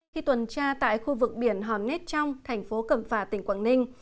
khi tuần tra tại khu vực biển hòn nét trong thành phố cầm phà tỉnh quảng ninh